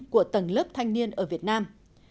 của tầng lớp thanh niên ở việt nam